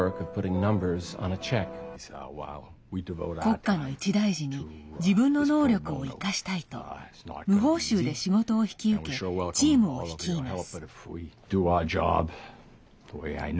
国家の一大事に自分の能力を生かしたいと無報酬で仕事を引き受けチームを率います。